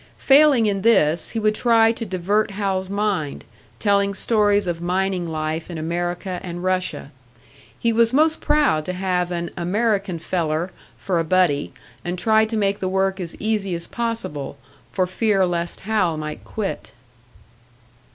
Failing in this, he would try to divert Hal's mind, telling stories of mining life in America and Russia. He was most proud to have an "American feller" for a buddy, and tried to make the work as easy as possible, for fear lest Hal might quit.